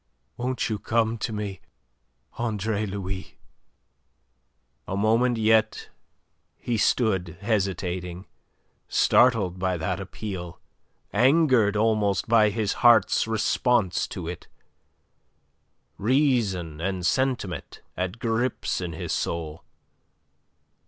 "Won't you come to me, Andre Louis?" A moment yet he stood hesitating, startled by that appeal, angered almost by his heart's response to it, reason and sentiment at grips in his soul.